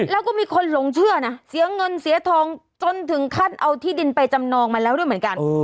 แล้วก็มีคนหลงเชื่อนะเสียเงินเสียทองจนถึงขั้นเอาที่ดินไปจำนองมาแล้วด้วยเหมือนกัน